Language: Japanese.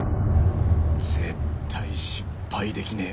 絶対失敗できねえ